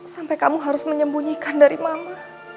sampai kamu harus menyembunyikan dari mama